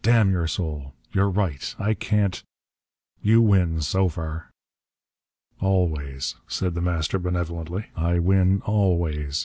"Damn your soul! You're right! I can't! You win so far!" "Always," said The Master benevolently. "I win always.